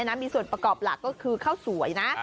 มีส่วนประกอบหลักก็คือข้าวสวยนะ